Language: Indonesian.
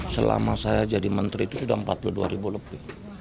selama saya jadi menteri itu sudah empat puluh dua ribu lebih